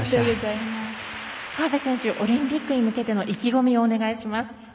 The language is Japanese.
河辺選手、オリンピックに向けての意気込みをお願いします。